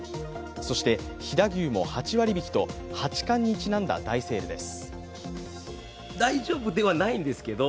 そして、飛騨牛も８割引と八冠にちなんだ大セールです。